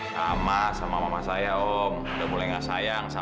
kamu lagi ngapain lu di sini